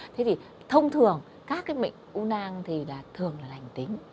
thế thì thông thường các cái mệnh u nang thì thường là lành tính